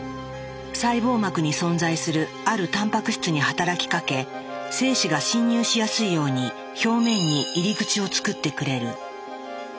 細胞膜に存在するあるタンパク質に働きかけ精子が侵入しやすいように表面に入り口をつくってくれる。